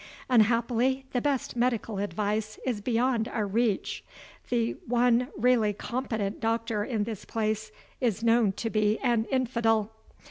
Unhappily, the best medical advice is beyond our reach. The one really competent doctor in this place is known to be an infidel.